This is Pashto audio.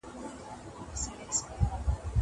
زه له سهاره پاکوالي ساتم.